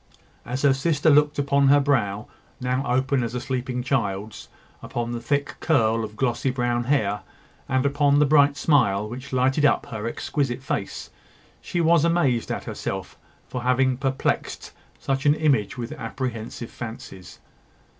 As her sister looked upon her brow, now open as a sleeping child's, upon the thick curl of glossy brown hair, and upon the bright smile which lighted up her exquisite face, she was amazed at herself for having perplexed such an image with apprehensive fancies.